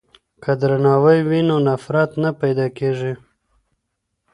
که درناوی وي نو نفرت نه پیدا کیږي.